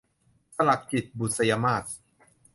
สลักจิต - บุษยมาส